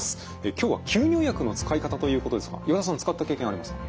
今日は吸入薬の使い方ということですが岩田さん使った経験ありますか？